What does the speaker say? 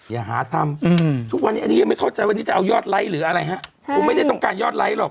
อย่าหาทำอันนี้ไม่เข้าใจว่าจะเอายอดไลค์หรืออะไรฮะไม่ได้ต้องการยอดไลค์หรอก